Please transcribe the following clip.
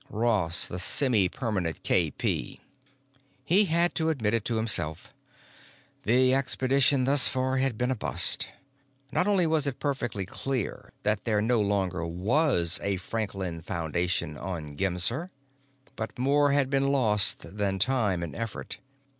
Ross, the semipermanent KP. He had to admit it to himself: The expedition thus far had been a bust. Not only was it perfectly clear that there no longer was a Franklin Foundation on Gemser, but more had been lost than time and effort.